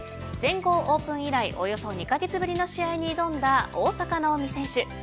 全豪オープン以来およそ２カ月ぶりの試合に挑んだ大坂なおみ選手。